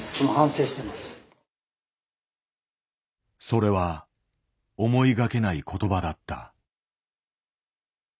それは思いがけない言葉だった。